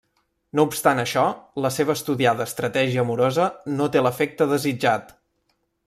No obstant això, la seva estudiada estratègia amorosa no té l'efecte desitjat.